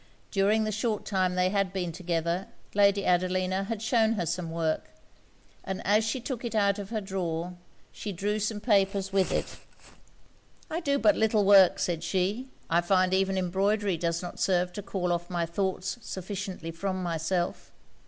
During the short time they had been together, Lady Adelina had shewn her some work; and as she took it out of her drawer, she drew out some papers with it. 'I do but little work,' said she. 'I find even embroidery does not serve to call off my thoughts sufficiently from myself.